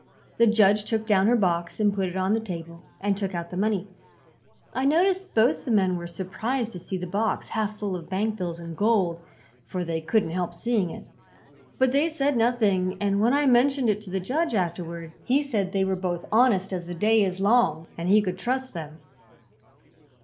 The judge took down her box and put it on the table and took out the money. I noticed both the men were surprised to see the box half full of bank bills and gold, for they couldn't help seeing it; but they said nothing and when I mentioned it to the judge, afterward, he said they were both honest as the day is long, and he could trust them."